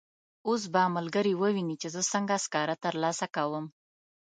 اوس به ملګري وویني چې زه څنګه سکاره ترلاسه کوم.